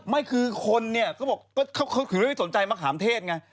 ไม่คือคนเนี่ยเขาบอกเขาถึงได้ไม่สนใจมะขามเทศไง